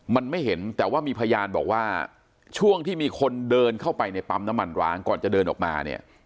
มันไม่เห็นแต่ว่ามีพยานบอกว่าช่วงที่มีคนเดินเข้าไปในปั๊มน้ำมันร้างก่อนจะเดินออกมาเนี่ย